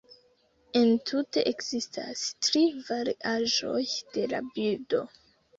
Entute ekzistas tri variaĵoj de la bildo.